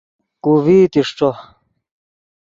کو ڤئیت اݰٹو